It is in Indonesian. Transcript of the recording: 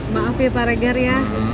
maaf ya pak reger ya